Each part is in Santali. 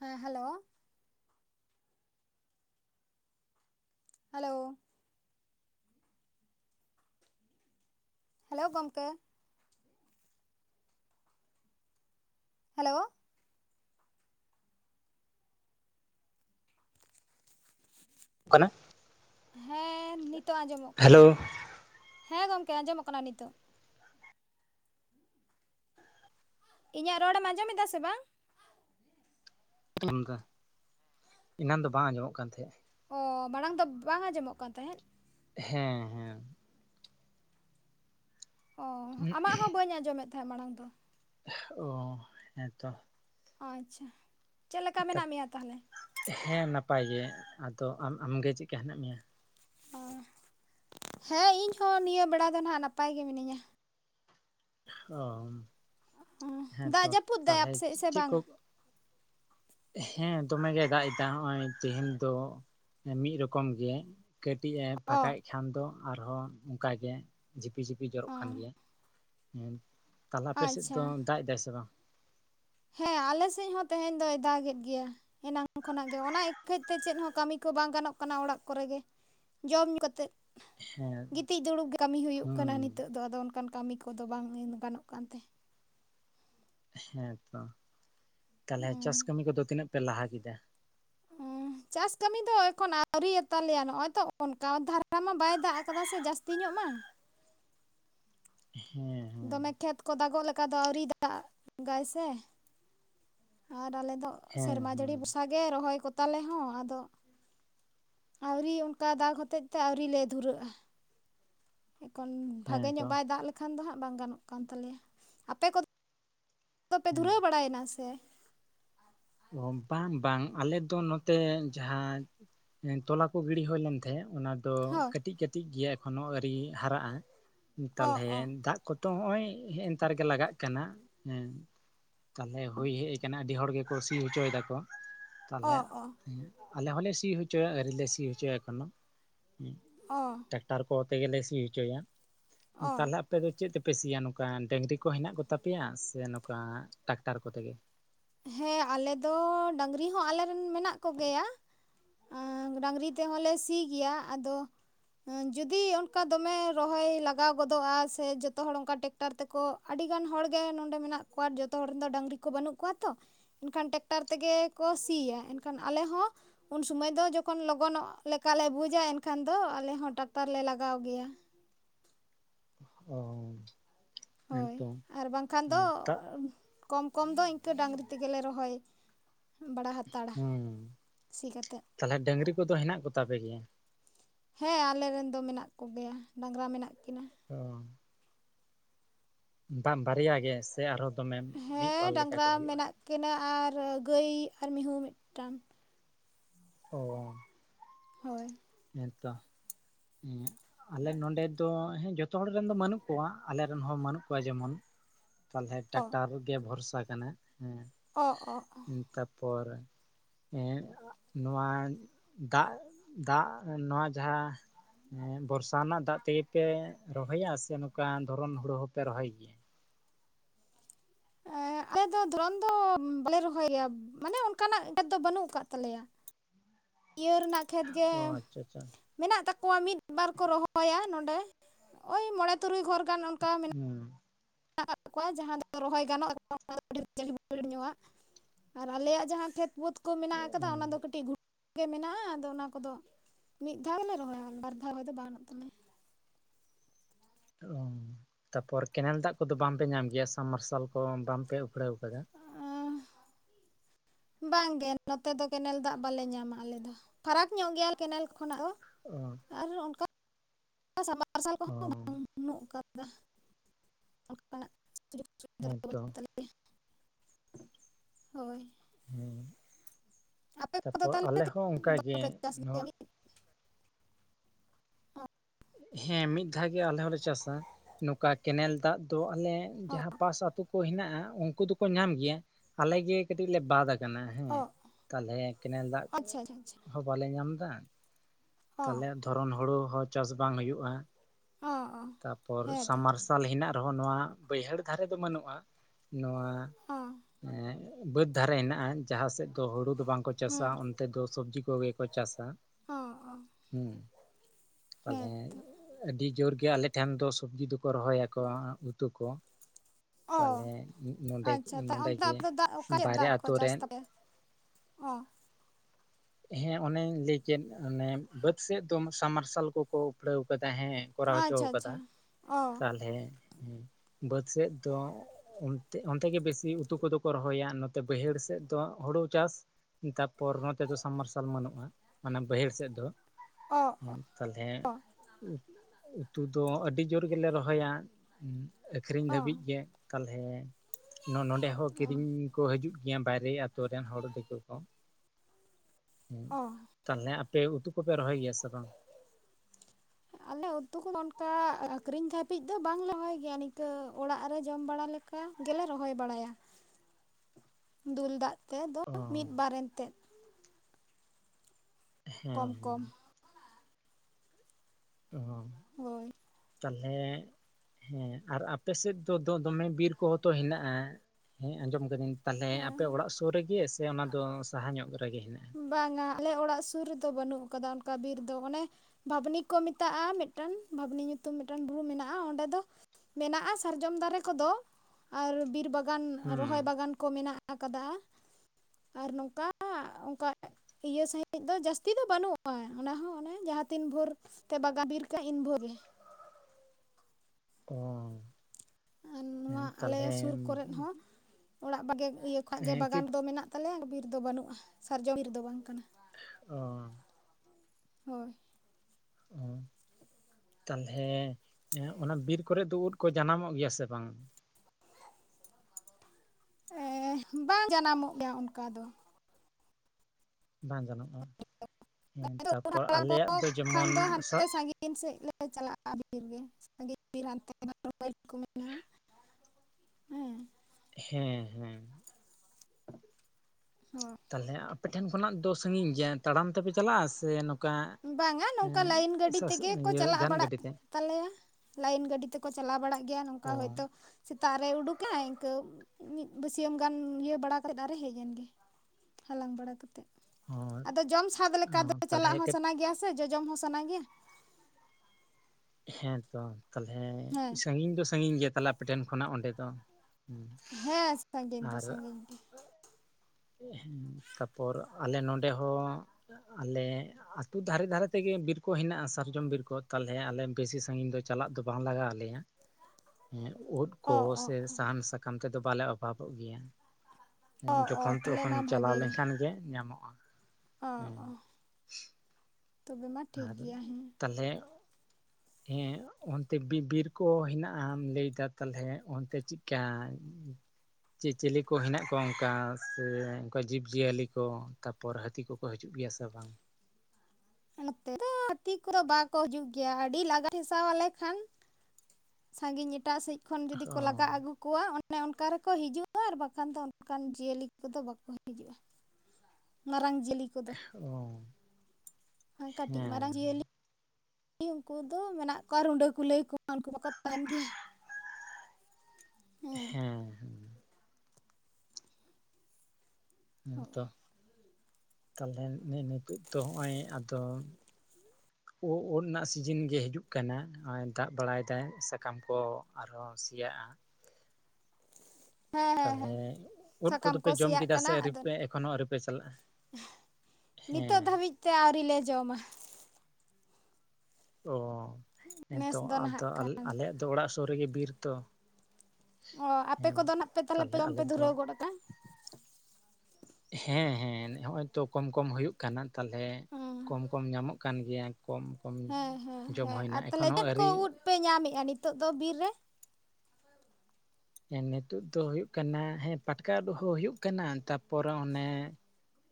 ᱦᱮᱸ ᱦᱮᱞᱳ᱾ ᱦᱮᱞᱳ᱾ ᱦᱮᱞᱳ ᱜᱚᱢᱠᱮ᱾ ᱦᱮᱞᱳ᱾ ᱠᱟᱱᱟ᱾ ᱦᱮᱸ ᱱᱤᱛᱚᱜ ᱟᱸᱡᱚᱢᱚᱜ ᱠᱟᱱᱟ, ᱦᱮᱞᱳ ᱦᱮᱸ ᱜᱚᱝᱠᱮ ᱟᱸᱡᱚᱢᱚᱜ ᱠᱟᱱᱟ ᱱᱤᱛᱚᱜ᱾ ᱤᱧᱟᱹᱜ ᱨᱚᱲᱮᱢ ᱟᱸᱡᱚᱢ ᱮᱫᱟ ᱥᱮ ᱵᱟᱝ? ᱟᱧᱡᱚᱢ ᱫᱟ ᱮᱱᱟᱱ ᱫᱚ ᱵᱟᱝ ᱟᱸᱡᱚᱢᱚᱜ ᱠᱟᱱ ᱛᱟᱦᱮᱸᱜ᱾ ᱚ ᱢᱟᱲᱟᱝ ᱫᱚ ᱵᱟᱝ ᱟᱸᱡᱚᱢᱚᱜ ᱠᱟᱱ ᱛᱟᱦᱮᱸᱜ᱾ ᱦᱮᱸ ᱦᱮᱸ᱾ ᱚ ᱟᱢᱟᱜ ᱦᱚᱸ ᱵᱟᱹᱧ ᱟᱸᱡᱚᱢᱮᱫ ᱛᱟᱦᱮᱸᱫ ᱢᱟᱲᱟᱝ ᱫᱚ᱾ ᱚ ᱦᱮᱸᱛᱚ᱾ ᱟᱪᱪᱷᱟ ᱪᱮᱫ ᱞᱮᱠᱟ ᱢᱮᱱᱟᱜ ᱢᱮᱭᱟ ᱛᱟᱦᱚᱞᱮ? ᱦᱮᱸ ᱱᱟᱯᱟᱭ ᱜᱮ ᱟᱫᱚ ᱟᱢ ᱟᱢᱜᱮ ᱪᱤᱜᱠᱟ ᱦᱮᱸᱱᱟᱜ ᱢᱮᱭᱟ? ᱚ ᱦᱮᱸ ᱤᱧᱦᱚᱸ ᱱᱤᱭᱟᱹ ᱵᱮᱲᱟ ᱫᱚ ᱱᱟᱦᱟᱸᱜ ᱱᱟᱯᱟᱭ ᱜᱮ ᱢᱤᱱᱟᱹᱧᱟ᱾ ᱚ ᱫᱟᱜ ᱦᱮᱸᱛᱚ ᱡᱟᱹᱯᱩᱫ ᱫᱟᱭ ᱛᱟᱦᱚᱞᱮ ᱟᱯᱮ ᱥᱮᱫ ᱥᱮ ᱪᱤᱜ ᱵᱟᱝ ᱠᱩ ᱦᱮᱸ ᱫᱚᱢᱮ ᱜᱮ ᱫᱟᱜ ᱮᱫᱟ ᱱᱚᱸᱜ-ᱚᱭ ᱛᱤᱦᱤᱧ ᱫᱚ ᱮᱸ ᱢᱤᱫ ᱨᱚᱠᱚᱢ ᱜᱮ᱾ ᱠᱟᱹᱴᱤᱡ ᱮ ᱚ ᱯᱷᱟᱸᱠᱟᱭᱮᱜ ᱠᱷᱟᱱ ᱫᱚ ᱟᱨᱦᱚᱸ ᱚᱝᱠᱟ ᱜᱮ ᱡᱷᱤᱯᱤ ᱡᱷᱤᱯᱤ ᱡᱚᱨᱚᱜ ᱚ ᱠᱟᱱ ᱜᱮᱭᱟ᱾ ᱦᱮᱸ ᱛᱟᱦᱚᱞᱮ ᱟᱯᱮ ᱥᱮᱫ ᱟᱪᱪᱷᱟ ᱫᱚ ᱫᱟᱜ ᱮᱫᱟᱭ ᱥᱮ ᱵᱟᱝ? ᱦᱮᱸ ᱟᱞᱮ ᱥᱮᱡ ᱦᱚᱸ ᱛᱮᱦᱮᱧ ᱫᱚᱭ ᱫᱟᱜᱮᱫ ᱜᱮᱭᱟ᱾ ᱮᱱᱟᱝ ᱠᱷᱚᱱᱟᱜ ᱜᱮ ᱚᱱᱟ ᱤᱠᱠᱷᱟᱹᱡ ᱛᱮ ᱪᱮᱫ ᱦᱚᱸ ᱠᱟᱹᱢᱤ ᱠᱚ ᱵᱟᱝ ᱜᱟᱱᱚᱜ ᱠᱟᱱᱟ ᱚᱲᱟᱜ ᱠᱚᱨᱮ ᱜᱮ᱾ ᱡᱚᱢ ᱧᱩ ᱠᱟᱛᱮᱜ ᱦᱮᱸ ᱜᱤᱛᱤᱡ ᱫᱩᱲᱩᱵ ᱜᱮ ᱠᱟᱹᱢᱤ ᱦᱩᱭᱩᱜ ᱦᱩᱸ ᱠᱟᱱᱟ ᱱᱤᱛᱳᱜ ᱫᱚ ᱟᱫᱚ ᱚᱝᱠᱟᱱ ᱠᱟᱹᱢᱤ ᱠᱚᱫᱚ ᱵᱟᱝ ᱜᱟᱱᱚᱜ ᱠᱟᱱᱛᱮ᱾ ᱦᱮᱸ ᱛᱚ ᱛᱟᱦᱚᱞᱮ ᱪᱟᱥ ᱠᱟᱹᱢᱤ ᱠᱚᱫᱚ ᱛᱤᱱᱟᱹᱜ ᱯᱮ ᱞᱟᱦᱟ ᱠᱮᱫᱟ? ᱪᱟᱥ ᱠᱟᱹᱢᱤ ᱫᱚ ᱮᱠᱷᱚᱱ ᱟᱹᱣᱨᱤᱭᱟᱛᱟᱞᱮᱭᱟ ᱱᱚᱸᱜ-ᱚᱭ ᱛᱚ ᱚᱝᱠᱟ ᱫᱷᱟᱨᱟ ᱢᱟ ᱵᱟᱭ ᱫᱟᱜ ᱠᱟᱫᱟ ᱥᱮ ᱡᱟᱹᱥ ᱛᱤᱧᱚᱜ ᱢᱟ᱾ ᱦᱮᱸ᱾ ᱦᱮᱸ ᱫᱚᱢᱮ ᱠᱷᱮᱛ ᱠᱚ ᱫᱟᱜᱚᱜ ᱞᱮᱠᱟ ᱫᱚ ᱟᱹᱣᱨᱤ ᱫᱟᱜ-ᱜᱟᱭ ᱥᱮ᱾ ᱟᱨ ᱟᱞᱮ ᱫᱚ ᱦᱮᱸ ᱥᱮᱨᱢᱟ ᱡᱟᱹᱲᱤ ᱦᱮᱸ ᱵᱚᱨᱥᱟ ᱜᱮ ᱨᱚᱦᱚᱭ ᱠᱚᱛᱟᱞᱮ ᱦᱚᱸ ᱟᱫᱚ ᱟᱣᱨᱤ ᱚᱝᱠᱟ ᱫᱟᱜ ᱦᱚᱛᱮᱡ ᱛᱮ ᱟᱣᱨᱤ ᱞᱮ ᱫᱷᱩᱨᱟᱹᱜ-ᱟ᱾ ᱮᱠᱷᱚᱱ ᱵᱷᱟᱜᱮ ᱦᱮᱸ ᱛᱚ ᱧᱚᱜ ᱵᱟᱭ ᱫᱟᱜ ᱞᱮᱠᱷᱟᱱ ᱫᱚ ᱦᱟᱸᱜ ᱵᱟᱝ ᱜᱟᱱᱚᱜ ᱠᱟᱱ ᱛᱟᱞᱮᱭᱟ, ᱟᱯᱮ ᱠᱚ ᱟᱫᱚᱯᱮ ᱦᱮᱸ ᱫᱷᱩᱨᱟᱹᱣ ᱵᱟᱲᱟᱭ ᱱᱟᱥᱮ? ᱚ ᱵᱟᱝ ᱵᱟᱝ ᱟᱞᱮ ᱫᱚ ᱱᱚᱛᱮ ᱡᱟᱦᱟᱸ ᱛᱚᱞᱟ ᱠᱚ ᱜᱤᱲᱤ ᱦᱩᱭ ᱞᱮᱱ ᱛᱟᱦᱮᱸᱫ ᱚᱱᱟ ᱫᱚ ᱦᱳᱭ ᱠᱟᱹᱴᱤᱡ ᱠᱟᱹᱴᱤᱡ ᱜᱮᱭᱟ ᱮᱠᱷᱚᱱᱳ ᱟᱹᱣᱨᱤ ᱦᱟᱨᱟᱜ-ᱟ, ᱚ ᱛᱟᱦᱞᱮ ᱚ ᱫᱟᱜ ᱠᱚᱛᱚ ᱦᱚᱸᱜ-ᱚᱭ ᱦᱮᱜ-ᱮ ᱱᱮᱛᱟᱨ ᱜᱮ ᱞᱟᱜᱟᱜ ᱠᱟᱱᱟ ᱦᱮᱸ ᱛᱟᱞᱦᱮ ᱦᱩᱭ ᱦᱮᱡ ᱠᱟᱱᱟ ᱟᱹᱰᱤ ᱦᱚᱲ ᱜᱮᱠᱚ ᱥᱤ ᱦᱚᱪᱚᱭ ᱫᱟᱠᱚ, ᱚ ᱛᱟᱞᱦᱮ ᱚ ᱦᱩᱸ ᱟᱞᱮ ᱦᱚᱸᱞᱮ ᱥᱤ ᱦᱚᱪᱚᱭᱟ ᱟᱹᱣᱨᱤ ᱞᱮ ᱥᱤ ᱦᱚᱪᱚᱭᱟ ᱮᱠᱷᱚᱱᱳ᱾ ᱚ᱾ ᱴᱟᱠᱴᱟᱨ ᱠᱚ ᱛᱮᱜᱮ ᱞᱮ ᱥᱤ ᱦᱚᱪᱚᱭᱟ᱾ ᱚ ᱛᱟᱞᱦᱮ ᱟᱯᱮ ᱫᱚ ᱪᱮᱫ ᱛᱮᱯᱮ ᱥᱤᱭᱟ ᱱᱚᱝᱠᱟ ᱰᱟᱝᱨᱤ ᱠᱚ ᱦᱮᱱᱟᱜ ᱠᱚᱛᱟ ᱯᱮᱭᱟ ᱥᱮ ᱱᱚᱝᱠᱟ ᱴᱟᱠᱴᱟᱨ ᱠᱚᱛᱮᱜᱮ? ᱦᱮᱸ ᱟᱞᱮ ᱫᱚ ᱰᱟᱝᱨᱤ ᱦᱚᱸ ᱟᱞᱮ ᱨᱮᱱ ᱢᱮᱱᱟᱜ ᱠᱚᱜᱮᱭᱟ᱾ ᱟ ᱰᱟᱝᱨᱤ ᱛᱮᱦᱚᱸ ᱞᱮ ᱥᱤ ᱜᱮᱭᱟ ᱟᱫᱚ ᱮ ᱡᱩᱫᱤ ᱚᱱᱠᱟ ᱫᱚᱢᱮ ᱨᱚᱦᱚᱭ ᱞᱟᱜᱟᱣ ᱜᱚᱫᱚᱜ-ᱟ ᱥᱮ ᱡᱚᱛᱚ ᱦᱚᱲ ᱚᱱᱠᱟ ᱴᱮᱠ ᱴᱟᱨ ᱛᱮᱠᱚ ᱟᱹᱰᱤ ᱜᱟᱱ ᱦᱚᱲ ᱜᱮ ᱱᱚᱸᱰᱮ ᱢᱮᱱᱟᱜ ᱠᱚᱣᱟ ᱡᱚᱛᱚ ᱦᱚᱲ ᱨᱮᱱ ᱫᱚ ᱰᱟᱝᱨᱤ ᱠᱚ ᱵᱟᱹᱱᱩᱜ ᱠᱚᱣᱟ ᱛᱚ, ᱮᱱᱠᱷᱟᱱ ᱴᱮᱠᱴᱟᱨ ᱛᱮᱜᱮ ᱠᱚ ᱥᱤᱭᱟ, ᱮᱱᱠᱷᱟᱱ ᱟᱞᱮ ᱦᱚᱸ ᱩᱱ ᱥᱩᱢᱟᱹᱭ ᱫᱚ ᱡᱚᱠᱷᱚᱱ ᱞᱚᱜᱚᱱᱚᱜ ᱞᱮᱠᱟᱞᱮ ᱵᱩᱡᱟ ᱮᱱᱠᱷᱟᱱ ᱫᱚ ᱟᱞᱮ ᱦᱚᱸ ᱴᱟᱠᱴᱟᱨ ᱞᱮ ᱞᱟᱜᱟᱣ ᱜᱮᱭᱟ᱾ ᱚ᱾ ᱦᱳᱭ ᱦᱮᱸᱛᱚ ᱟᱨ ᱵᱟᱝᱠᱷᱟᱱ ᱫᱚ ᱟᱨ ᱠᱚᱢ ᱠᱚᱢ ᱫᱚ ᱤᱝᱠᱟᱹ ᱰᱟᱝᱨᱤ ᱛᱮᱜᱮᱞᱮ ᱨᱚᱦᱚᱭ ᱵᱟᱲᱟ ᱦᱟᱛᱟᱲᱟ, ᱥᱤ ᱠᱟᱛᱮᱫ᱾ ᱛᱟᱞᱦᱮ ᱰᱟᱹᱝᱨᱤ ᱠᱚᱫᱚ ᱦᱮᱱᱟᱜ ᱠᱚᱛᱟ ᱯᱮ ᱜᱮᱭᱟ? ᱦᱮᱸ ᱟᱞᱮ ᱨᱮᱱ ᱫᱚ ᱢᱮᱱᱟᱜ ᱠᱚᱜᱮᱭᱟ, ᱰᱟᱝᱨᱟ ᱢᱮᱱᱟᱜ ᱠᱤᱱᱟ᱾ ᱚ᱾ ᱵᱟᱝ ᱵᱟᱨᱭᱟ ᱜᱮ ᱥᱮ ᱟᱨᱦᱚᱸ ᱫᱚᱢᱮ, ᱢᱤᱫ ᱯᱟᱞ ᱦᱮᱸ ᱞᱮᱠᱟ ᱠᱚ ᱰᱟᱝᱨᱟ ᱦᱩᱭᱩᱜ-ᱟ? ᱢᱮᱱᱟᱜ ᱠᱤᱱᱟ ᱟᱨ ᱜᱟᱹᱭ ᱟᱨ ᱢᱤᱦᱩ ᱢᱤᱫᱴᱟᱝ᱾ ᱚ᱾ ᱦᱳᱭ᱾ ᱦᱮᱸ ᱛᱚ, ᱦᱮᱸ᱾ ᱟᱞᱮ ᱱᱚᱰᱮ ᱫᱚ ᱦᱮᱸ ᱡᱚᱛᱚ ᱦᱚᱲ ᱨᱮᱱ ᱫᱚ ᱵᱟᱹᱱᱩᱜ ᱠᱚᱣᱟ ᱟᱞᱮ ᱨᱮᱱ ᱦᱚᱸ ᱢᱟᱹᱱᱩᱜ ᱠᱚᱣᱟ ᱡᱮᱢᱚᱱ, ᱛᱟᱞᱦᱮ ᱚ ᱴᱟᱠᱴᱟᱨ ᱜᱮ ᱵᱷᱚᱨᱥᱟ ᱠᱟᱱᱟ, ᱦᱮᱸ᱾ ᱚ ᱚ ᱚ᱾ ᱛᱟᱯᱚᱨ ᱮᱸᱫ ᱱᱚᱣᱟ ᱫᱟᱜ ᱫᱟᱜ ᱮᱸ ᱱᱚᱣᱟ ᱡᱟᱦᱟᱸ ᱦᱮᱸ ᱵᱚᱨᱥᱟ ᱨᱮᱱᱟᱜ ᱫᱟᱜ ᱛᱮ ᱜᱮ ᱯᱮ ᱨᱚᱦᱚᱭᱟ ᱥᱮ ᱱᱚᱝᱠᱟ ᱫᱷᱚᱨᱚᱱ ᱦᱩᱲᱩ ᱦᱚᱸ ᱯᱮ ᱨᱚᱦᱚᱭ ᱜᱮᱭᱟ? ᱮᱸ ᱟᱞᱮ ᱫᱚ ᱫᱷᱚᱨᱚᱱ ᱫᱚ ᱵᱟᱞᱮ ᱨᱚᱦᱚᱭ ᱜᱮᱭᱟ, ᱢᱟᱱᱮ ᱚᱱᱠᱟᱱᱟᱜ ᱠᱷᱮᱛ ᱫᱚ ᱵᱟᱹᱱᱩᱜ ᱠᱟᱜ ᱛᱟᱞᱮᱭᱟ᱾ ᱤᱭᱟᱹ ᱨᱮᱱᱟᱜ ᱠᱷᱮᱛ ᱜᱮ ᱚ ᱟᱪᱪᱷᱟ ᱟᱪᱪᱷᱟ ᱢᱮᱱᱟᱜ ᱛᱟᱠᱚᱣᱟ ᱢᱤᱫ ᱵᱟᱨ ᱠᱚ ᱨᱚᱦᱚᱭᱟ ᱱᱚᱸᱰᱮ, ᱳᱭ ᱢᱚᱬᱮ ᱛᱩᱨᱩᱭ ᱜᱷᱚᱨ ᱜᱟᱱ ᱚᱱᱠᱟ ᱢᱮᱱᱟᱜ ᱦᱩᱸ᱾ [inaudible] ᱛᱟᱠᱚᱣᱟ ᱡᱟᱦᱟᱸ ᱫᱚ ᱨᱚᱦᱚᱭ ᱜᱟᱱᱚᱜ [inaudible] ᱟᱨ ᱟᱞᱮᱭᱟᱜ ᱡᱟᱦᱟᱸ ᱠᱷᱮᱛ ᱵᱟᱹᱚᱫᱽ ᱠᱚ ᱢᱮᱱᱟᱜ ᱟᱠᱟᱫᱟ ᱚ ᱚᱱᱟ ᱫᱚ ᱠᱟᱹᱴᱤᱡ [inaudible] ᱜᱮ ᱢᱮᱱᱟᱜᱼᱟ ᱟᱫᱚ ᱚᱱᱟ ᱠᱚᱫᱚ ᱢᱤᱫ ᱫᱷᱟᱣ ᱜᱮᱞᱮ ᱨᱚᱦᱚᱭᱟ ᱵᱟᱨ ᱫᱷᱟᱣ [inaudible] ᱚ ᱛᱟᱯᱚᱨ ᱠᱮᱱᱮᱞ ᱫᱟᱜ ᱠᱚ ᱫᱚ ᱵᱟᱝ ᱯᱮ ᱧᱟᱢ ᱜᱮᱭᱟ, ᱥᱟᱵᱢᱟᱨᱥᱟᱞ ᱠᱚ ᱵᱟᱝ ᱯᱮ ᱩᱯᱲᱟᱹᱣ ᱠᱟᱫᱟ? ᱵᱟᱝ ᱜᱮ ᱱᱚᱛᱮ ᱫᱚ ᱠᱮᱱᱮᱞ ᱫᱟᱜ ᱵᱟᱞᱮ ᱧᱟᱢᱟ ᱟᱞᱮ ᱫᱚ, ᱯᱷᱟᱨᱟᱠ ᱧᱚᱜ ᱜᱮᱭᱟ ᱠᱮᱱᱮᱞ ᱠᱷᱚᱱᱟᱜ ᱫᱚ᱾ ᱚ᱾ ᱟᱨ ᱚᱱᱠᱟ ᱥᱟᱢ ᱢᱟᱨᱥᱟᱞ ᱚ ᱠᱚᱦᱚᱸ ᱦᱮᱸᱛᱚ [inaudible] [inaudible] ᱦᱳᱭ᱾ ᱦᱩᱸ, ᱟᱯᱮ ᱠᱚᱫᱚ ᱛᱟᱯᱚᱨ ᱛᱟᱦᱚᱞᱮ ᱟᱞᱮ ᱦᱚᱸ ᱛᱤᱱᱟᱹᱜ ᱚᱱᱠᱟ ᱫᱚᱢ ᱜᱮ ᱯᱮ ᱪᱟᱥ ᱱᱚᱣᱟ ᱜᱮᱭᱟ ᱢᱤᱫ ᱦᱮᱸ ᱢᱤᱫ ᱫᱷᱟᱣ ᱜᱮ ᱟᱞᱮ ᱦᱚᱸᱞᱮ ᱪᱟᱥᱟ, ᱱᱚᱝᱠᱟ ᱠᱮᱱᱮᱞ ᱫᱟᱜ ᱛᱚ ᱟᱞᱮ ᱚ ᱡᱟᱦᱟᱸ ᱯᱟᱥ ᱟᱛᱳ ᱠᱚ ᱦᱮᱱᱟᱜᱼᱟ ᱩᱱᱠᱩ ᱫᱚᱠᱚ ᱧᱟᱢ ᱜᱮᱭᱟ, ᱟᱞᱮ ᱜᱮ ᱠᱟᱹᱴᱤᱡ ᱞᱮ ᱵᱟᱫ ᱟᱠ ᱠᱟᱱᱟ ᱦᱮᱸ ᱚ ᱛᱟᱞᱦᱮ ᱠᱮᱱᱮᱞ ᱫᱟᱜ ᱟᱪᱪᱷᱟ ᱟᱪᱪᱷᱟ ᱟᱪᱪᱷᱟ ᱦᱚᱸ ᱵᱟᱞᱮ ᱧᱟᱢ ᱫᱟ᱾ ᱚ ᱛᱟᱞᱦᱮ ᱫᱷᱚᱨᱚᱱ ᱦᱩᱲᱩ ᱦᱚᱸ ᱪᱟᱥ ᱵᱟᱝ ᱦᱩᱭᱩᱜᱼᱟ᱾ ᱚ ᱚ᱾ ᱛᱟᱯᱚᱨ ᱦᱮᱸᱛᱚ ᱥᱟᱵᱽᱢᱟᱨᱥᱟᱞ ᱦᱮᱱᱟᱜ ᱨᱮᱦᱚᱸ ᱱᱚᱣᱟ ᱵᱟᱹᱭᱦᱟᱹᱲ ᱫᱷᱟᱨᱮ ᱫᱚ ᱵᱟᱹᱱᱩᱜᱼᱟ ᱱᱚᱣᱟ ᱚᱻ ᱮᱸ ᱵᱟᱹᱫ ᱫᱷᱟᱨᱮ ᱦᱮᱱᱟᱜᱼᱟ ᱡᱟᱦᱟᱸ ᱥᱮᱫ ᱛᱚ ᱦᱩᱲᱩ ᱫᱚ ᱵᱟᱝ ᱠᱚ ᱪᱟᱥᱟ ᱦᱩᱸ ᱚᱱᱛᱮ ᱫᱚ ᱥᱚᱵᱽᱡᱤ ᱠᱚᱜᱮ ᱠᱚ ᱪᱟᱥᱟ᱾ ᱚ ᱚ ᱦᱩᱸ, ᱛᱟᱞᱦᱮ ᱦᱮᱸᱛᱚ ᱟᱹᱰᱤ ᱡᱳᱨ ᱜᱮ ᱟᱞᱮ ᱴᱷᱮᱱ ᱫᱚ ᱥᱚᱵᱽᱡᱤ ᱫᱚ ᱠᱚ ᱨᱚᱦᱚᱭ ᱟᱠᱚ ᱩᱛᱩ ᱠᱚ᱾ ᱚ ᱛᱟᱦᱞᱮ ᱱᱚᱸᱰᱮ ᱟᱪᱪᱷᱟ ᱱᱚᱸᱰᱮ ᱜᱮ ᱵᱟᱨᱭᱟ ᱟᱛᱳ ᱨᱮᱱ ᱚᱻ ᱦᱮᱸ, ᱚᱱᱮᱧ ᱞᱟᱹᱭ ᱠᱮᱫ ᱚᱱᱮ ᱵᱟᱹᱫᱽ ᱥᱮᱫ ᱫᱚ ᱥᱟᱢ ᱢᱟᱨᱥᱟᱞ ᱠᱚ ᱠᱚ ᱩᱯᱲᱟᱹᱣ ᱠᱟᱫᱟ ᱦᱮᱸ᱾ ᱠᱚᱨᱟᱣ ᱦᱚᱪᱚ ᱟᱪᱪᱷᱟ ᱠᱟᱫᱟ ᱟᱪᱪᱷᱟ ᱚ ᱛᱟᱦᱞᱮ ᱦᱮᱸ, ᱵᱟᱹᱫᱽ ᱥᱮᱫ ᱫᱚ ᱚᱱᱛᱮ ᱚᱱᱛᱮ ᱜᱮ ᱵᱮᱥᱤ ᱩᱛᱩ ᱠᱚᱫᱚ ᱠᱚ ᱨᱚᱦᱚᱭᱟ ᱱᱚᱛᱮ ᱵᱟᱹᱭᱦᱟᱹᱲ ᱥᱮᱫ ᱫᱚ ᱦᱩᱲᱩ ᱪᱟᱥ ᱛᱟᱨᱯᱚᱨ ᱱᱚᱛᱮ ᱫᱚ ᱥᱟᱢ ᱢᱟᱨᱥᱟᱞ ᱵᱟᱹᱱᱩᱜ ᱠᱟᱜᱼᱟ ᱢᱟᱱᱮ ᱵᱟᱹᱦᱟᱹᱲ ᱥᱮᱫ ᱫᱚ ᱚ ᱦᱚᱸ᱾ ᱛᱟᱞᱦᱮ ᱚ ᱩᱛᱩ ᱫᱚ ᱟᱹᱰᱤ ᱡᱳᱨ ᱜᱮᱞᱮ ᱨᱚᱦᱚᱭᱟ᱾ ᱟᱹᱠᱷᱨᱤᱧ ᱚ ᱫᱷᱟᱹᱵᱤᱡ ᱜᱮ ᱛᱟᱞᱦᱮ ᱱᱚᱰᱮ ᱦᱚᱸ ᱠᱤᱨᱤᱧ ᱠᱚ ᱦᱤᱡᱩᱜ ᱜᱮ ᱵᱟᱭᱨᱮ ᱟᱛᱳ ᱨᱮᱱ ᱦᱚᱲ ᱫᱤᱠᱩ ᱠᱚ᱾ ᱦᱮᱸ, ᱚ ᱛᱟᱞᱦᱮ ᱟᱯᱮ ᱩᱛᱩ ᱠᱚ ᱯᱮ ᱨᱚᱦᱚᱭ ᱜᱮᱭᱟ ᱥᱮ ᱵᱟᱝ? ᱟᱞᱮ ᱩᱛᱩ ᱠᱚ ᱚᱱᱠᱟ ᱟᱠᱷᱨᱤᱧ ᱫᱷᱟᱹᱵᱤᱡ ᱫᱚ ᱵᱟᱝ ᱞᱮ ᱨᱚᱦᱚᱭ ᱜᱮᱭᱟ ᱱᱤᱝᱠᱟᱹ ᱚᱲᱟᱜ ᱨᱮ ᱡᱚᱢ ᱵᱟᱲᱟ ᱞᱮᱠ ᱚᱱᱠᱟ ᱜᱮᱞᱮ ᱨᱚᱦᱚᱭ ᱵᱟᱲᱟᱭᱟ, ᱫᱩᱞ ᱫᱟᱜ ᱛᱮ ᱫᱚ ᱚ ᱢᱤᱫ ᱵᱟᱨ ᱮᱱ ᱛᱮ᱾ ᱦᱮᱸ ᱠᱚᱢ ᱠᱚᱢ ᱦᱮᱸ, [unintelligible] ᱦᱳᱭ, ᱛᱟᱞᱦᱮ ᱦᱮᱸ ᱟᱨ ᱟᱯᱮ ᱥᱮᱫ ᱫᱚ ᱫᱚᱢᱮ ᱵᱤᱨ ᱠᱚᱦᱚᱸ ᱛᱚ ᱦᱮᱱᱟᱜᱼᱟ ᱦᱮᱸ ᱟᱸᱡᱚᱢ ᱠᱟᱹᱫᱟᱹᱧ᱾ ᱛᱟᱞᱦᱮ ᱟᱯᱮ ᱚᱲᱟᱜ ᱥᱩᱨ ᱨᱮ ᱜᱮ ᱥᱮ ᱚᱱᱟᱫᱚ ᱥᱟᱦᱟ ᱧᱚᱜ ᱨᱮ ᱜᱮ ᱦᱮᱱᱟᱜᱼᱟ? ᱵᱟᱝᱟ ᱟᱞᱮ ᱚᱲᱟᱜ ᱥᱩᱨ ᱨᱮᱫᱚ ᱵᱟᱹᱱᱩᱜ ᱠᱟᱫᱟ ᱚᱱᱠᱟ ᱵᱤᱨ ᱫᱚ᱾ ᱚᱱᱮ ᱵᱷᱟᱵᱽᱱᱤ ᱠᱚ ᱢᱮᱛᱟᱜᱼᱟ ᱢᱤᱫᱴᱟᱱ ᱵᱷᱟᱵᱽᱱᱤ ᱧᱩᱛᱩᱢ ᱢᱤᱫᱴᱟᱱ ᱵᱩᱨᱩ ᱢᱮᱱᱟᱜᱼᱟ᱾ ᱚᱸᱰᱮ ᱫᱚ ᱢᱮᱱᱟᱜᱼᱟ ᱥᱟᱨᱡᱚᱢ ᱫᱟᱨᱮ ᱠᱚᱫᱚ ᱟᱨ ᱵᱤᱨ ᱵᱟᱜᱟᱱ ᱵᱟᱜᱟᱱ ᱦᱩᱸ ᱨᱚᱦᱚᱭ ᱵᱟᱜᱟᱱ ᱠᱚ ᱢᱮᱱᱟᱜ ᱟᱠᱟᱫᱟ ᱟᱨ ᱱᱚᱝᱠᱟ ᱚᱱᱠᱟ ᱤᱭᱟᱹ ᱥᱟᱺᱦᱤᱡ ᱫᱚ ᱡᱟᱹᱥᱛᱤ ᱫᱚ ᱵᱟᱹᱱᱩᱜᱼᱟ᱾ ᱚᱱᱟ ᱦᱚᱸ ᱚᱱᱮ ᱡᱟᱦᱟᱸ ᱛᱤᱱ ᱵᱷᱳᱨ ᱛᱮ ᱵᱟᱜᱟ ᱵᱤᱨᱠᱟ ᱤᱱ ᱵᱷᱳᱜᱮ᱾ ᱚᱻ ᱟᱨ ᱱᱚᱣᱟ ᱟᱞᱮ ᱥᱩᱨ ᱠᱚᱨᱮᱜ ᱦᱚᱸ ᱚᱲᱟᱜ ᱵᱟᱜᱮ ᱤᱭᱟᱹ ᱠᱷᱚᱡ ᱜᱮ ᱦᱮᱸ ᱵᱟᱜᱟᱱ ᱴᱷᱤᱠ ᱫᱚ ᱢᱮᱱᱟᱜ ᱛᱟᱞᱮᱭᱟ ᱵᱤᱨ ᱫᱚ ᱵᱟᱹᱱᱩᱜᱼᱟ, ᱥᱟᱨᱡᱚᱢ ᱵᱤᱨ ᱫᱚ ᱵᱟᱝ ᱠᱟᱱᱟ᱾ ᱚᱻ ᱦᱳᱭ, [inaudible] ᱛᱟᱞᱦᱮ ᱚᱱᱟ ᱵᱤᱨ ᱠᱚᱨᱮ ᱫᱚ ᱩᱫ ᱠᱚ ᱡᱟᱱᱟᱢᱚᱜ ᱜᱮᱭᱟ ᱥᱮ ᱵᱟᱝ? ᱮᱸᱻ ᱵᱟᱝ ᱡᱟᱱᱟᱢᱚᱜ ᱜᱮᱭᱟ ᱚᱱᱠᱟ ᱫᱚ᱾ ᱵᱟᱝ ᱡᱟᱱᱟᱢᱚᱜᱼᱟ ᱟᱫᱚ ᱛᱟᱯᱚᱨ ᱟᱞᱮᱭᱟᱜ ᱫᱚ ᱡᱮᱢᱚᱱ ᱥᱟᱵ ᱜᱤᱱ ᱥᱮᱫ ᱞᱮ ᱪᱟᱞᱟᱜᱼᱟ ᱵᱤᱨ ᱜᱮ ᱥᱟᱺᱜᱤᱧ ᱵᱤᱨ ᱦᱟᱱᱛᱮ [inaudible] ᱠᱚ ᱢᱮᱱᱟ ᱦᱮᱸ ᱦᱮᱸ, [unintelligible] ᱛᱟᱞᱦᱮ ᱟᱯᱮᱴᱷᱮᱱ ᱠᱷᱚᱱᱟᱜ ᱫᱚ ᱥᱟᱺᱜᱤᱧ ᱜᱮᱭᱟ ᱛᱟᱲᱟᱢ ᱛᱮᱯᱮ ᱪᱟᱞᱟᱜᱼᱟ ᱥᱮ ᱵᱟᱝᱟ ᱦᱮᱸ ᱱᱚᱝᱠᱟ ᱞᱟᱭᱤᱱ ᱜᱟᱹᱰᱤ ᱛᱮᱜᱮ ᱠᱚ ᱤᱭᱟᱹ ᱪᱟᱞᱟᱜ ᱡᱟᱦᱟᱱᱟᱜ ᱵᱟᱲᱟᱜ ᱜᱟᱹᱰᱤ ᱛᱮ ᱛᱟᱞᱮᱭᱟ᱾ ᱞᱟᱭᱤᱱ ᱜᱟᱹᱰᱤ ᱛᱮᱠᱚ ᱪᱟᱞᱟᱣ ᱵᱟᱲᱟᱜ ᱜᱮᱭᱟ ᱾ ᱱᱚᱝᱠᱟ ᱚ ᱦᱚᱭᱛᱳ ᱥᱮᱛᱟᱜ ᱨᱮᱭ ᱩᱰᱩᱠᱟᱭ ᱤᱱᱠᱟᱹ, ᱢᱤᱫ ᱵᱟᱹᱥᱭᱟᱹᱢ ᱜᱟᱱ ᱤᱭᱟᱹ ᱵᱟᱲᱟ ᱠᱟ ᱠᱟᱛᱮᱫ ᱟᱨᱮ ᱦᱮᱡ ᱮᱱᱜᱮ᱾ ᱦᱟᱞᱟᱝ ᱵᱟᱲᱟ ᱠᱟᱛᱮ, ᱦᱚᱸ ᱟᱫᱚ ᱡᱚᱢ ᱥᱟᱫ ᱞᱮᱠᱟ ᱚ ᱪᱟᱞᱟᱜ ᱛᱟᱦᱚᱞᱮ ᱦᱚᱸᱼᱼ ᱠᱟᱹᱡ ᱜᱮᱭᱟ ᱥᱮ, ᱡᱚᱡᱚᱢ ᱦᱚᱸ ᱥᱟᱱᱟ ᱜᱮᱭᱟ᱾ ᱦᱮᱸ ᱛᱚ, ᱦᱮᱸ ᱛᱟᱦᱚᱞᱮ ᱥᱟᱺᱜᱤᱧ ᱫᱚ ᱥᱟᱺᱜᱤᱧ ᱜᱮᱭᱟ ᱛᱟᱦᱚᱞᱮ ᱟᱯᱮ ᱴᱷᱮᱱ ᱠᱷᱚᱱᱟᱜ ᱚᱸᱰᱮ ᱫᱚ? ᱦᱮᱸ ᱦᱮᱸ ᱥᱟᱺᱜᱤᱧ ᱫᱚ, ᱥᱟᱺᱜᱤᱧ ᱜᱮ᱾ ᱛᱟᱨᱯᱚᱨ ᱟᱞᱮ ᱱᱚᱰᱮ ᱦᱚᱸ ᱟᱞᱮ ᱟᱹᱛᱩ ᱫᱷᱟᱨᱮ ᱫᱷᱟᱨᱮ ᱛᱮᱜᱮ ᱵᱤᱨ ᱠᱚ ᱦᱮᱱᱟᱜᱼᱟ ᱾ ᱥᱟᱨᱡᱚᱢ ᱵᱤᱨ ᱠᱚ, ᱛᱟᱦᱚᱞᱮ ᱟᱞᱮ ᱵᱮᱥᱤ ᱥᱟᱺᱜᱤᱧ ᱫᱚ ᱪᱟᱞᱟᱜ ᱫᱚ ᱵᱟᱝ ᱞᱟᱜᱟᱣ ᱞᱮᱭᱟ᱾ ᱳᱫ ᱠᱚ ᱚ ᱚ ᱥᱮ ᱥᱟᱦᱟᱱ ᱥᱟᱠᱟᱢ ᱥᱟᱠᱟᱢ ᱛᱮᱫᱚ ᱵᱟᱞᱮ ᱚᱵᱷᱟᱵᱚᱜ ᱜᱮᱭᱟ᱾ ᱚ ᱚ ᱡᱚᱠᱷᱚᱱ ᱛᱟᱦᱚᱞᱮ ᱛᱚᱠᱷᱚᱱ ᱢᱟ ᱪᱟᱞᱟᱣ ᱵᱷᱟᱜᱮ ᱞᱮᱱᱠᱷᱟᱱ ᱜᱮ ᱧᱟᱢᱚᱜᱼᱟ᱾ ᱚ ᱦᱮᱸ ᱚ ᱛᱚᱵᱮ ᱢᱟ ᱴᱷᱤᱠ ᱟᱨ, ᱜᱮᱭᱟ ᱦᱮᱸ ᱛᱟᱦᱚᱞᱮ [unintelligible] ᱚᱱᱛᱮ ᱵᱤ-ᱵᱤᱨ ᱠᱚ ᱦᱮᱱᱟᱜ ᱞᱟᱹᱭᱫᱟ ᱛᱟᱦᱞᱮ, ᱚᱱᱛᱮ ᱪᱮᱫᱠᱟ ᱪᱮ ᱪᱤᱞᱤ ᱠᱚ ᱦᱮᱱᱟᱜ ᱠᱚᱣᱟ ᱚᱱᱠᱟ? ᱥᱮ ᱚᱱᱠᱟ ᱡᱤᱵᱽᱼᱡᱤᱭᱟᱹᱞᱤ ᱠᱚ ᱾ᱛᱟ ᱯᱚᱨ ᱦᱟᱹᱛᱤ ᱠᱚᱠᱚ ᱦᱤᱡᱩᱜ ᱜᱮᱭᱟ ᱥᱮ ᱵᱟᱝ? ᱱᱚᱛᱮ ᱫᱚ ᱦᱟᱹᱛᱤ ᱠᱚᱫᱚ ᱵᱟᱠᱚ ᱦᱤᱡᱩᱜ ᱜᱮᱭᱟ᱾ ᱟᱹᱰᱤ ᱞᱟᱜᱟ ᱴᱷᱮᱥᱟ ᱟᱞᱮ ᱠᱷᱟᱱ ᱥᱟᱺᱜᱤᱧ ᱮᱴᱟᱜ ᱥᱮᱡ ᱠᱷᱚᱱ ᱡᱩᱫᱤ ᱠᱚ ᱚ ᱞᱟᱜᱟ ᱟᱹᱜᱩ ᱠᱚ ᱠᱚᱣᱟ᱾ ᱚᱱᱮ ᱚᱱᱠᱟ ᱨᱮᱠᱚ ᱦᱤᱡᱩᱜᱼᱟ ᱟᱨ ᱵᱟᱠᱷᱟᱱ ᱫᱚ ᱚᱱᱠᱟᱱ ᱡᱤᱭᱟᱹᱞᱤ ᱠᱚᱫᱚ ᱵᱟᱠᱚ ᱦᱤᱡᱩᱜᱼᱟ᱾ ᱢᱟᱨᱟᱝ ᱡᱤᱭᱟᱹᱞᱤ ᱠᱚᱫᱚ᱾ ᱚ᱾ ᱠᱟᱹᱴᱤᱡ ᱢᱟᱨᱟᱝ ᱦᱮᱸ ᱡᱤᱭᱟᱹᱞᱤ ᱩᱱᱠᱩ ᱫᱚ ᱢᱮᱱᱟᱜ ᱠᱚᱣᱟ ᱨᱩᱸᱰᱟᱹ ᱠᱩᱞᱟᱹᱭ ᱠᱚ, ᱩᱱᱠᱩ ᱢᱟᱠᱚ ᱛᱟᱦᱮᱱ ᱜᱮᱭᱟ᱾ [inaudible] ᱦᱮᱸ᱾ ᱦᱮᱸ ᱛᱚ, ᱛᱟᱦᱞᱮ ᱱᱤᱛᱚᱜ ᱫᱚ ᱦᱚᱜᱼᱚᱭ ᱟᱫᱚ [inaudible] ᱳ ᱳᱫ ᱨᱮᱱᱟᱜ ᱥᱤᱡᱤᱱ ᱜᱮ ᱦᱤᱡᱩᱜ ᱠᱟᱱᱟ ᱾ ᱱᱚᱜᱼᱚᱭ ᱫᱟᱜ ᱵᱟᱲᱟᱭ ᱫᱟᱭ ᱥᱟᱠᱟᱢ ᱠᱚ ᱟᱨᱦᱚᱸ ᱥᱮᱭᱟᱜᱼᱟ᱾ ᱦᱮᱸ, ᱦᱮᱸ, ᱦᱮᱸ ᱛᱟᱦᱚᱞᱮ ᱳᱫ ᱥᱟᱠᱟᱢ ᱠᱚᱫᱚᱯᱮ ᱠᱚ ᱡᱚᱢ ᱥᱮᱭᱟᱜ ᱠᱮᱫᱟ ᱠᱟᱱᱟ ᱥᱮ ᱟᱫᱚ ᱟᱹᱣᱨᱤᱯᱮ ᱮᱠᱷᱚᱱ ᱦᱚᱸ ᱟᱹᱣᱨᱤᱯᱮ ᱪᱟᱞᱟᱜᱼᱟ? ᱱᱤᱛᱳᱜ ᱦᱮᱸ ᱫᱷᱟᱹᱵᱤᱡ ᱛᱮ ᱟᱹᱣᱨᱤ ᱞᱮ ᱡᱚᱢᱟ᱾ ᱚ ᱱᱮᱥ ᱦᱮᱸᱛᱚ, ᱫᱚ ᱟᱫᱚ ᱱᱟᱦᱟᱜ ᱠᱷᱟᱱ ᱟᱞᱮᱭᱟᱜ ᱫᱚ ᱚᱲᱟᱜ ᱥᱳᱨ ᱨᱮᱜᱮ ᱵᱤᱨ ᱛᱚ᱾ ᱚ ᱟᱯᱮ ᱦᱮᱸ ᱠᱚᱫᱚ ᱱᱟᱜ ᱯᱮ ᱛᱟᱦᱚᱞᱮ ᱡᱚᱢ ᱟᱞᱮ ᱯᱮ ᱫᱚ ᱫᱷᱩᱨᱟᱹᱣ ᱜᱚᱫᱚᱜᱼᱼ ᱦᱮᱸ, ᱦᱮᱸ, ᱦᱚᱜᱼ ᱚᱭ ᱛᱚ ᱠᱚᱢ ᱠᱚᱢ ᱦᱳᱭᱳᱜ ᱠᱟᱱᱟ ᱾ ᱛᱟᱞᱚᱞᱮ ᱦᱮᱸ ᱠᱚᱢ ᱠᱚᱢ ᱧᱟᱢᱚᱜ ᱠᱟᱱ ᱜᱮᱭᱟ᱾ ᱠᱚᱢ, ᱠᱚᱢ ᱦᱮᱸ ᱦᱮᱸ ᱡᱚᱢ ᱦᱮᱸ ᱦᱳᱭᱱᱟ᱾ ᱟᱨ ᱛᱟᱦᱚᱞᱮ ᱮᱠᱷᱚᱱ ᱦᱚᱸ ᱪᱮᱫ ᱠᱚ ᱟᱹᱣᱨᱤ ᱩᱫ ᱯᱮ ᱧᱟᱢᱮᱫᱼᱟ, ᱱᱤᱛᱚᱜ ᱫᱚ ᱵᱤᱨ ᱨᱮ? ᱱᱤᱛᱳ ᱫᱚ ᱦᱳᱭᱳᱜ ᱠᱟᱱᱟ᱾ ᱦᱮᱸ ᱯᱟᱴᱠᱟ ᱳᱫ ᱦᱚᱸ ᱦᱳᱭᱳᱜ ᱠᱟᱱᱟ᱾ ᱛᱟᱯᱚᱨᱮ ᱚᱱᱮ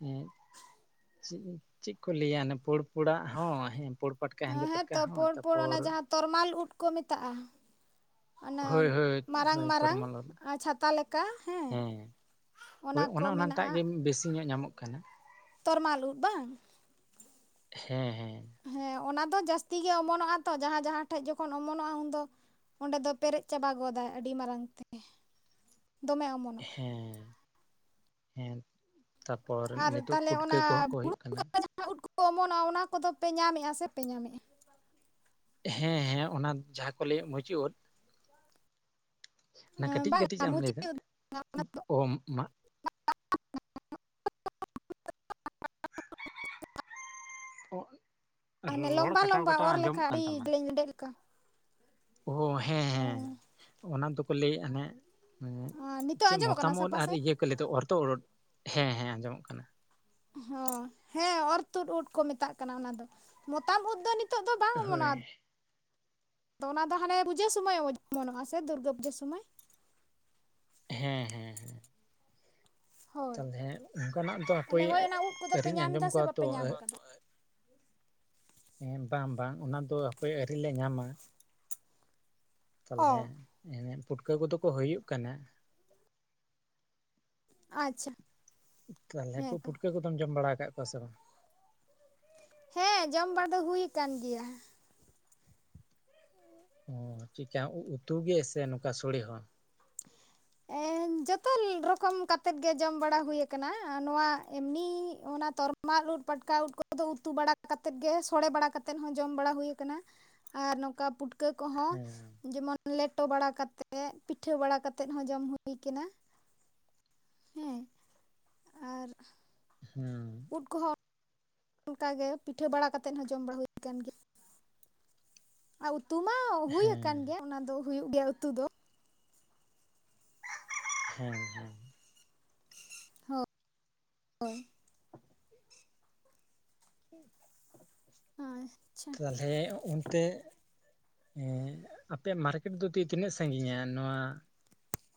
ᱦᱮᱸ ᱪᱮᱫ, ᱪᱮᱫ ᱠᱚ ᱞᱟᱹᱭᱟ ᱯᱳᱲ ᱯᱳᱲᱟᱜ ᱦᱚᱸ ᱦᱮᱸ᱾ [unintelligible] ᱯᱟᱴᱠᱟ, ᱦᱮᱸᱫᱮ ᱯᱟᱴᱠᱟ ᱦᱮᱸᱛᱚ ᱦᱚᱸ, ᱯᱳᱲ ᱯᱳᱲ ᱛᱟᱯᱚᱨ ᱚᱱᱟ ᱡᱟᱦᱟᱸ ᱛᱚᱨᱢᱟᱞ ᱩᱫ ᱠᱚ ᱢᱮᱛᱟᱜᱼᱟ᱾ ᱚᱱᱮ ᱦᱳᱭ ᱦᱳᱭ ᱢᱟᱨᱟᱝ, ᱦᱳᱭ ᱢᱟᱨᱟᱝ ᱛᱚᱨᱢᱟᱞ ᱩᱫ ᱪᱷᱟᱛᱟ ᱞᱮᱠᱟ ᱦᱮᱸ᱾ ᱦᱳᱭ ᱚᱱᱟ ᱚᱱᱮ ᱠᱚ ᱚᱱᱟᱴᱟᱜ ᱜᱮ ᱢᱮᱱᱟᱜᱼᱟ ᱵᱮᱥᱤ ᱧᱚᱜ ᱧᱟᱢᱚᱜ ᱠᱟᱱᱟ᱾ ᱛᱚᱨᱢᱟᱞ ᱩᱫᱽ ᱵᱟᱝ? ᱦᱮᱸ, ᱦᱮᱸ᱾ ᱦᱮᱸ ᱚᱱᱟ ᱫᱚ ᱡᱟᱹᱥᱛᱤ ᱜᱮ ᱚᱢᱚᱱᱚᱜᱼᱟ ᱛᱚ᱾ ᱡᱟᱦᱟᱸ ᱡᱟᱦᱟᱸ ᱴᱷᱮᱡ ᱡᱚᱠᱷᱚᱱ ᱚᱢᱚᱱᱚᱜᱼᱟ᱾ ᱩᱱᱫᱚ ᱚᱸᱰᱮ ᱫᱚ ᱯᱮᱨᱮᱡ ᱪᱟᱵᱟ ᱜᱚᱫᱟᱭ ᱟᱹᱰᱤ ᱢᱟᱨᱟᱝ ᱛᱮ᱾ ᱫᱚᱢᱮ ᱚᱢᱚᱱᱚᱜ ᱼᱼ ᱦᱮᱸ, ᱦᱮᱸ᱾ ᱛᱟᱨᱯᱚᱨ ᱱᱤᱛᱳᱜ ᱯᱩᱴᱠᱟᱹ ᱠᱚᱦᱚᱸ ᱠᱚ ᱦᱩᱭᱩᱜ ᱠᱟᱱᱟ᱾ ᱦᱟᱸ ᱩᱫ ᱠᱚ ᱚᱢᱚᱱᱚᱜ ᱚᱱᱟ ᱠᱚᱫᱚ ᱯᱮ ᱧᱟᱢᱮᱜ-ᱟ ᱥᱮ ᱯᱮ ᱧᱟᱢᱮᱜ-ᱟ? ᱦᱮᱸ ᱦᱮᱸ ᱚᱱᱟ ᱡᱟᱸᱦᱟ ᱠᱚ ᱞᱟᱹᱭᱟ ᱢᱩᱪᱤ ᱩᱫ ᱚᱱᱟ ᱠᱟᱴᱤᱡ ᱠᱟᱴᱤᱡ ᱵᱟᱝᱟ ᱟᱜ ᱮᱢ ᱢᱩᱪᱤ ᱞᱟᱹᱭ ᱫᱟ ᱩᱫ ᱚ ᱢᱟᱜ ᱨᱚᱲ ᱠᱟᱴᱟᱣ ᱠᱟᱴᱟᱣ ᱟᱸᱡᱚᱢᱚᱜ ᱠᱟᱱ ᱛᱟᱢᱟ᱾ ᱮᱸᱰᱮ ᱞᱮᱠᱟ᱾ ᱚ ᱦᱮᱸ ᱦᱮᱸ ᱚ ᱚᱱᱟ ᱫᱚᱠᱚ ᱞᱟᱹᱭᱮᱜ-ᱟ ᱱᱷᱟᱜ᱾ ᱩᱸ ᱱᱤᱛᱚᱜ ᱪᱮᱜ ᱟᱸᱡᱚᱢᱚᱜ ᱠᱟᱱᱟ ᱢᱚᱛᱟᱢ ᱳᱫ ᱥᱟᱯᱷᱟ ᱟᱨ ᱥᱟᱺᱦᱤᱡ ᱤᱭᱟᱹ ᱠᱚ ᱞᱟᱹᱭ ᱫᱚ ᱚᱨ ᱛᱳᱜ ᱳᱫ ᱦᱮᱸ ᱦᱮᱸ ᱟᱸᱡᱚᱢᱚᱜ ᱠᱟᱱᱟ᱾ ᱦᱚᱸ ᱦᱮᱸ ᱚᱨ ᱛᱩᱫ ᱩᱫ ᱠᱚ ᱢᱮᱛᱟᱜ ᱠᱟᱱᱟ ᱚᱱᱟ ᱫᱚ ᱢᱚᱛᱟᱢ ᱩᱫ ᱫᱚ ᱱᱤ ᱛᱚᱜ ᱫᱚ ᱵᱟᱝ ᱦᱳᱭ ᱚᱢᱚᱱᱚᱜ-ᱟ᱾ ᱫᱚ ᱚᱱᱟ ᱫᱚ ᱦᱟᱱᱮ ᱯᱩᱡᱟᱹ ᱥᱚᱢᱚᱭ ᱚᱢᱱᱚᱜ-ᱟ ᱥᱮ ᱫᱩᱨᱜᱟᱹ ᱯᱩᱡᱟᱹ ᱥᱚᱢᱚᱭ? ᱦᱮᱸ ᱦᱮᱸ ᱦᱮᱸ᱾ ᱦᱳᱭ ᱛᱟᱦᱞᱮ ᱚᱱᱠᱟᱱᱟᱜ ᱫᱚ ᱛᱟᱦᱚᱞᱮ ᱦᱟᱯᱟᱹᱭ ᱦᱳᱭ ᱚᱱᱟ ᱩᱫ ᱠᱚᱫᱚ ᱯᱮ ᱟᱹᱨᱤᱧ ᱧᱟᱢ ᱟᱸᱡᱚᱢ ᱮᱫᱟ ᱥᱮ ᱠᱚᱣᱟ ᱛᱚ᱾ ᱵᱟᱯᱮ ᱧᱟᱢ ᱟᱠᱟᱫᱟ ᱮᱸ ᱵᱟᱝ ᱵᱟᱝ ᱚᱱᱟ ᱫᱚ ᱦᱟᱯᱟᱹᱭ ᱟᱹᱨᱤ ᱞᱮ ᱧᱟᱢᱟ᱾ ᱚ ᱛᱟᱦᱞᱮ ᱯᱩᱴᱠᱟᱹ ᱠᱚᱫᱚ ᱠᱚ ᱦᱳᱭᱳᱜ ᱠᱟᱱᱟ᱾ ᱟᱪᱷᱟ᱾ ᱛᱟᱦᱞᱮ ᱯᱩᱴᱠᱟᱹ ᱠᱚᱫᱚᱢ ᱡᱚᱢ ᱵᱟᱲᱟ ᱠᱟᱜ ᱠᱚᱣᱟ ᱥᱮ ᱵᱟᱝ? ᱦᱮᱸ ᱡᱚᱢ [unintelligible] ᱦᱩᱭ ᱠᱟᱱ ᱜᱮᱭᱟ᱾ ᱚ ᱪᱤᱠᱟ ᱩ ᱩᱛᱩ ᱜᱮ ᱥᱮ ᱱᱚᱠᱟ ᱥᱳᱲᱮ ᱦᱚᱸ? [unintelligible] ᱡᱷᱚᱛᱚ ᱨᱚᱠᱚᱢ ᱠᱟᱛᱮᱫ ᱜᱮ ᱡᱚᱢ ᱵᱟᱲᱟ ᱦᱩᱭ ᱟᱠᱟᱱᱟ᱾ ᱱᱚᱣᱟ ᱮᱢᱱᱤ ᱚᱱᱟ ᱛᱚᱨ ᱢᱟᱞ ᱩᱫ, ᱯᱟᱴᱠᱟ ᱩᱫ ᱠᱚᱫᱚ ᱩᱛᱩ ᱵᱟᱲᱟ ᱠᱟᱛᱮᱫ ᱜᱮ ᱥᱚᱲᱮ ᱵᱟᱲᱟ ᱠᱟᱛᱮᱫ ᱦᱚᱸ ᱡᱚᱢ ᱵᱟᱲᱟ ᱦᱩᱭ ᱠᱟᱱᱟ᱾ ᱟᱨ ᱱᱚᱝᱠᱟ ᱯᱩᱴᱠᱟᱹ ᱠᱚᱦᱚᱸ ᱦᱮᱸ ᱡᱮᱢᱚᱱ ᱞᱮᱴᱚ ᱵᱟᱲᱟ ᱠᱟᱛᱮᱜ ᱯᱤᱴᱷᱟᱹ ᱵᱟᱲᱟ ᱠᱟᱛ ᱛᱮᱫ ᱦᱚᱸ ᱡᱚᱢ ᱦᱩᱭ ᱠᱟᱱᱟ ᱦᱮᱸ ᱟᱨ᱾ ᱦᱩᱸ᱾ ᱩᱫ ᱠᱚ ᱦᱚᱸ ᱚᱱᱠᱟ ᱜᱮ ᱯᱤᱴᱷᱟᱹ ᱵᱟᱲᱟ ᱠᱟᱛᱮᱫ ᱦᱚᱸ ᱡᱚᱢ ᱵᱟᱲᱟ ᱦᱩᱭ ᱠᱟᱱ ᱜᱮᱭᱟ᱾ ᱟᱨ ᱩᱛᱩ ᱢᱟ ᱦᱩᱭ ᱦᱮᱸ ᱟᱠᱟᱱ ᱜᱮᱭᱟ ᱚᱱᱟ ᱫᱚ ᱦᱩᱭᱩᱜ ᱜᱮᱭᱟ ᱩᱛᱩ ᱫᱚ᱾ ᱦᱮᱸ ᱦᱮᱸ᱾ ᱦᱳ-ᱭ᱾ ᱟᱪᱪᱷᱟ ᱛᱟᱦᱞᱮ ᱩᱱ ᱛᱮ ᱟᱯᱮᱭᱟᱜ ᱢᱟᱨᱠᱮᱴ ᱫᱚ ᱛᱤ ᱛᱤᱱᱟᱹᱜ ᱥᱟᱸᱜᱤᱧᱟ ᱱᱚᱣᱟ